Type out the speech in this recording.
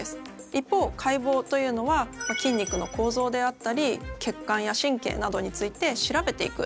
一方解剖というのは筋肉の構造であったり血管や神経などについて調べていくという作業になります。